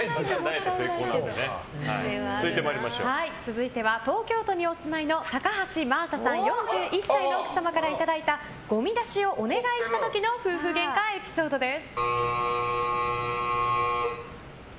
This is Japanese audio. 続いては、東京都にお住まいの高橋真麻さん４１歳の奥様からいただいたごみ出しをお願いした時の夫婦ゲンカエピソードです。